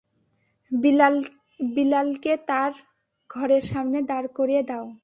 বিলাল কে তার ঘরের সামনে দাঁড় করিয়ে দাও।